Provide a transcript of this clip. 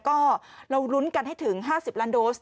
ก็เรารุ้นกันให้ถึง๕๐ล้านโดส